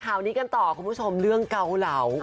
ข่าวนี้กันต่อคุณผู้ชมเรื่องเกาเหลา